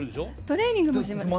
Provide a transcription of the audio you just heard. トレーニングもします。